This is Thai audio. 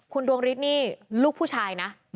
คุณดวงฤทธิ์นี่ลูกผู้ชายนะ